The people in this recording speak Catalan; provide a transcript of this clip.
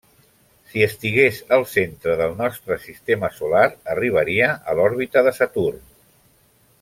Si estigués al centre del nostre sistema solar, arribaria a l'òrbita de Saturn.